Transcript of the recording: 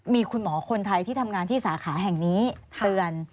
มีคุณหมอคนไทยที่ทำงานที่สาขาแห่งนี้เตือน